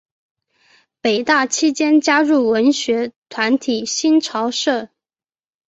北大期间加入文学团体新潮社。